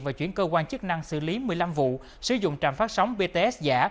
và chuyển cơ quan chức năng xử lý một mươi năm vụ sử dụng trạm phát sóng bts giả